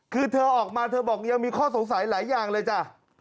คือเธอออกมาเธอบอกยังมีข้อสงสัยหลายอย่างเลยจ้ะ